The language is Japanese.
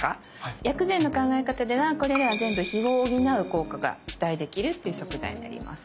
薬膳の考え方ではこれらは全部「脾」を補う効果が期待できるっていう食材になります。